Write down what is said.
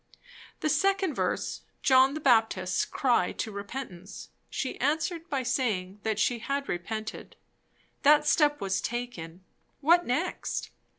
The second verse, John the Baptist's cry to repentance, she answered by saying that she had repented; that step was taken; what next?